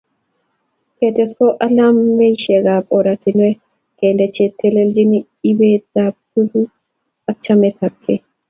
Ketes ko alamisiekab oratinwek kende che telchin ibetap tuguk ak chametabkei